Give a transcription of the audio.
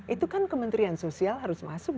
itu kan kementerian sosial harus masuk